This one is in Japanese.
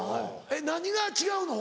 何が違うの？